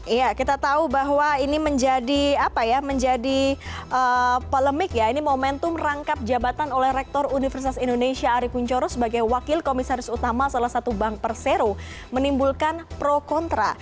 iya kita tahu bahwa ini menjadi polemik ya ini momentum rangkap jabatan oleh rektor universitas indonesia ari puncoro sebagai wakil komisaris utama salah satu bank persero menimbulkan pro kontra